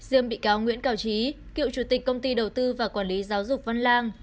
riêng bị cáo nguyễn cao trí cựu chủ tịch công ty đầu tư và quản lý giáo dục văn lang